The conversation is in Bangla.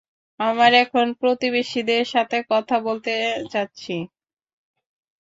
আমরা এখন প্রতিবেশীদের সাথে কথা বলতে যাচ্ছি।